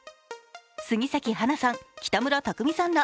杉咲花さん、北村匠海さんら